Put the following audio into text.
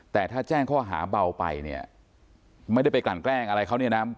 แต่ถ้าแจ้งข้อหาเบาไปเนี่ยไม่ได้ไปกลั่นแกล้งอะไรเขาเนี่ยนะ